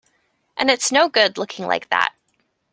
And it's no good looking like that.